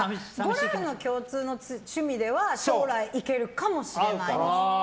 ゴルフの共通の趣味では将来、いけるかもしれないです。